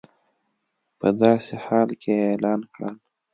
په داسې حال کې اعلان کړل